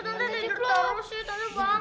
tante cipluk bangun dong